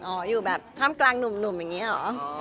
อยู่แบบท่ามกลางหนุ่มอย่างนี้เหรอ